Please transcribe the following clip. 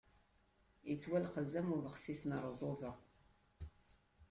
Ittwalxez am ubexsis n ṛṛḍuba.